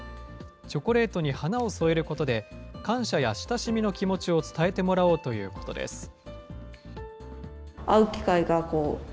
チョコレートに花を添えることで、感謝や親しみの気持ちを伝えてもらおうということです。